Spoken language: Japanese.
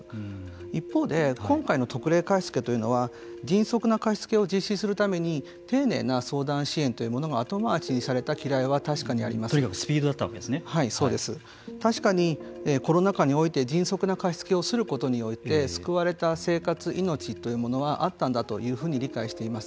一方で今回の特例貸付というのは迅速な貸付を実施するために丁寧な相談支援というものが後回しにされたきらいがとにかく確かにコロナ禍において迅速な貸付をすることにおいて救われた生活、命というものはあったんだというふうに理解しています。